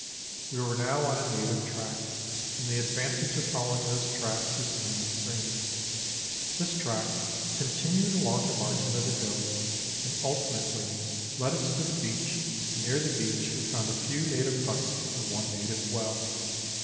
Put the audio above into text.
We were now on a native track, and the advantage of following those tracks is soon experienced. This track continued along the margin of the hill, and ultimately led us to the beach, and near the beach we found a few native huts and one native well.